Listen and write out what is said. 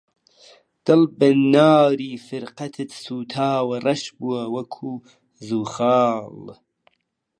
دڵ بە ناری فیرقەتت سووتاوە، ڕەش بوو وەک زوخاڵ